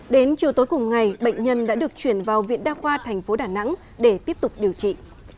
đến chiều tối cùng ngày bệnh nhân đã được chuyển vào viện đa khoa thành phố đà nẵng để tiếp tục điều trị